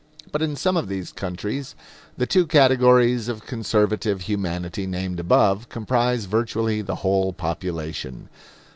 But in some of these countries, the two categories of conservative humanity named above comprise virtually the whole population.